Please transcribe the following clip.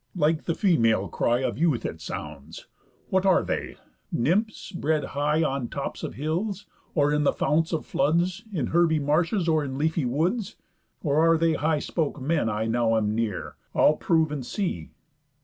Like the female cry Of youth it sounds. What are they? Nymphs bred high On tops of hills, or in the founts of floods, In herby marshes, or in leafy woods? Or are they high spoke men I now am near? I'll prove, and see."